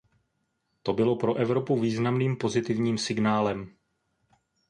To by bylo pro Evropu významným pozitivním signálem.